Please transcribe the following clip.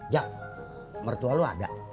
jak mertua lo ada